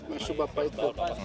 masuk bapak itu